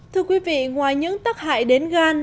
thưa quý vị ngoài những tắc hại đến gan